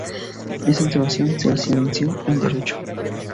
En San Sebastián se licenció en Derecho.